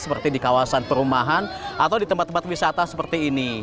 seperti di kawasan perumahan atau di tempat tempat wisata seperti ini